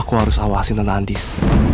aku harus awasi tante andis